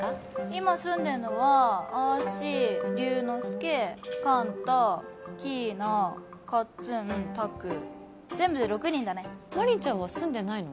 今住んでんのはあーし龍之介寛太キイナカッツン拓全部で６人だね真凛ちゃんは住んでないの？